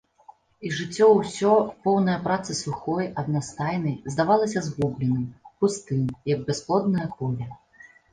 І жыццё ўсё, поўнае працы сухой, аднастайнай, здавалася згубленым, пустым, як бясплоднае поле.